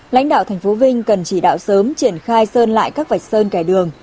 lãnh đạo tp vinh cần chỉ đạo sớm triển khai sơn lại các vạch sơn kẻ đường